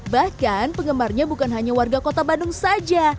bahkan penggemarnya bukan hanya warga kota bandung saja